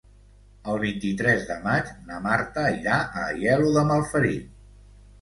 El vint-i-tres de maig na Marta irà a Aielo de Malferit.